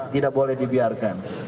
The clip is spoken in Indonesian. tidak boleh dibiarkan